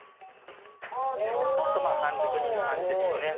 ちょっと半熟いう感じですよね。